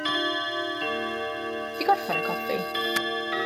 Ti 'di gorffan y coffi.